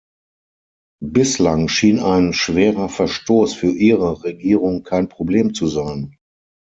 Bislang schien ein schwerer Verstoß für ihre Regierung kein Problem zu sein.